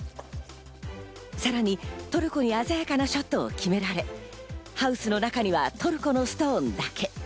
さらにトルコに鮮やかなショットを決められ、ハウスの中にはトルコのストーンだけ。